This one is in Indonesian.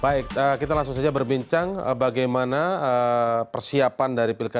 baik kita langsung saja berbincang bagaimana persiapan dari pilkada